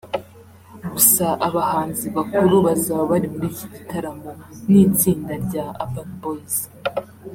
gusa abahanzi bakuru bazaba bari muri iki gitaramo ni itsinda rya Urban Boyz